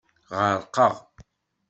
Ɣerqeɣ.